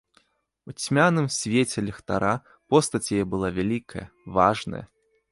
У цьмяным свеце ліхтара постаць яе была вялікая, важная.